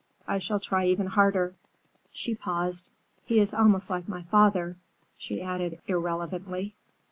I shall try even harder." She paused. "He is almost like my father," she added irrelevantly.